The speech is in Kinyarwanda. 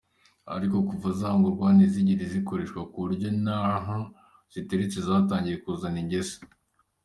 Ariko kuva zagurwa ntizigize zikoreshwa kuburyo naho ziteretse zatangiye kuzana ingese.